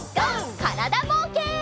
からだぼうけん。